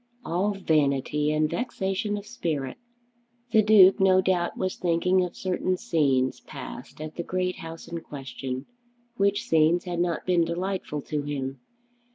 "All vanity; and vexation of spirit!" The Duke no doubt was thinking of certain scenes passed at the great house in question, which scenes had not been delightful to him.